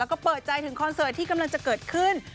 ก็เปิดใจถึงคอนเสิร์ตที่กำลังจะเกิดขึ้น